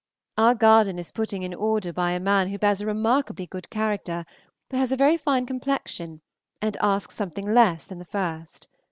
OUR garden is putting in order by a man who bears a remarkably good character, has a very fine complexion, and asks something less than the first.